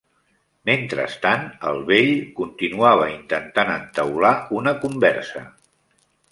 Mentrestant, el vell continuava intentant entaular una conversa.